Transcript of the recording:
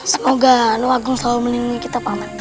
semoga luagung selalu menimu kita paman